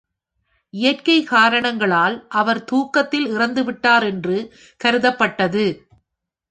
இயற்கை காரணங்களால் அவர் தூக்கத்தில் இறந்துவிட்டார் என்று கருதப்பட்டது.